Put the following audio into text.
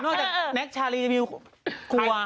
นอกจากแน็กชาลีวิวคลัว